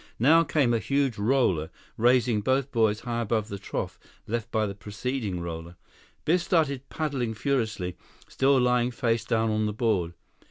Now came a huge roller, raising both boys high above the trough left by the preceding roller. Biff started paddling furiously, still lying face down on the board.